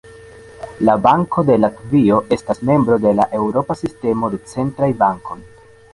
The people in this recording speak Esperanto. La Banko de Latvio estas membro de la Eŭropa Sistemo de Centraj Bankoj.